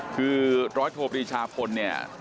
คือร้อยโทษภีรีชามนเนี่ย